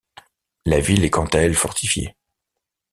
La ville est quant à elle fortifiée.